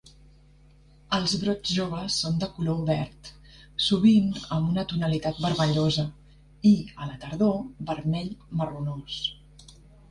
Els brots joves són de color verd, sovint amb una tonalitat vermellosa i, a la tardor, vermell marronós.